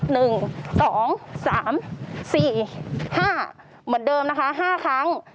เหมือนเดิมนะคะห้าครั้ง